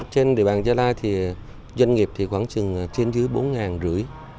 trên địa bàn gia lai thì doanh nghiệp thì khoảng trên dưới bốn ngàn rưỡi